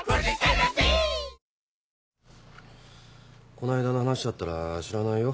こないだの話だったら知らないよ。